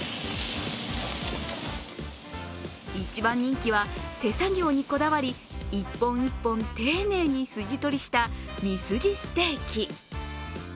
一番人気は手作業にこだわり、一本一本丁寧にスジ取りしたミスジステーキ。